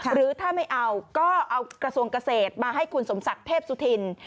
หรือถ้าไม่เอาก็เอากระทรวงเกษตรมาให้คุณสมศักดิ์เทพสุธิน